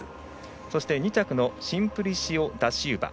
そして、２着のシンプリシオダシウバ。